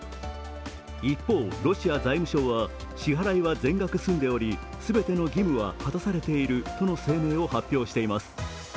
一方、ロシア財務省は、支払いは全額済んでおり全ての義務は果たされているとの声明を発表しています。